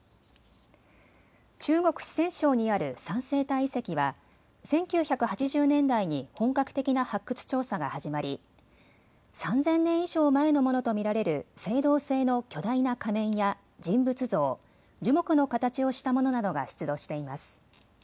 中国四川省にある三星堆遺跡は１９８０年代に本格的な発掘調査が始まり３０００年以上前のものと見られる青銅製の巨大な仮面や人物像、樹木の形をしたものなどが出土しています。